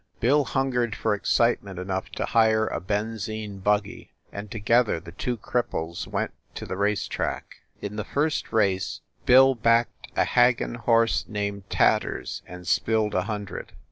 Bill hungered for excitement enough to hire a benzine buggy, and together the two cripples went to the race track. In the first race Bill backed a Hag gin horse named Tatters and spilled a hundred.